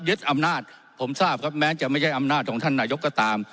อำนาจผมทราบครับแม้จะไม่ใช่อำนาจของท่านนายกก็ตาม